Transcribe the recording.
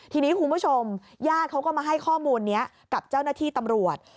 ทีนี้คุณผู้ชมญาติเขาก็มาให้ข้อมูลนี้กับเจ้าหน้าที่ตำรวจ